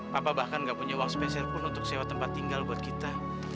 papa bahkan gak punya uang spesial pun untuk sewa tempat tinggal buat kita